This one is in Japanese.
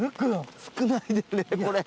少ないですねこれ。